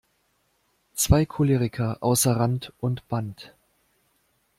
Zwei Choleriker außer Rand und Band!